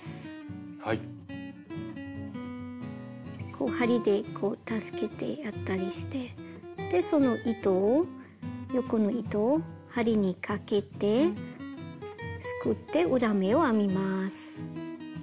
こう針で助けてやったりしてでその糸を横の糸を針にかけてすくって裏目を編みます。